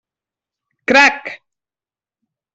Crac!